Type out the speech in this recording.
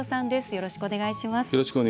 よろしくお願いします。